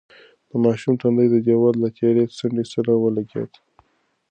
د ماشوم تندی د دېوال له تېرې څنډې سره ولگېد.